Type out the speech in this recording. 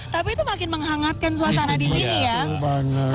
tapi itu makin menghangatkan suasana di sini ya